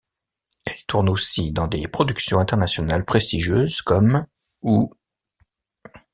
Elle tourne aussi dans des productions internationales prestigieuses comme ' ou '.